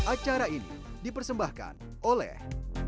acara ini dipersembahkan oleh